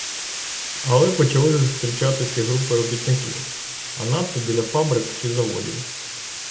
Але почали зустрічатись і групи робітників, а надто біля фабрик чи заводів.